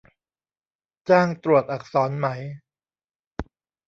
จ้างตรวจอักษรไหม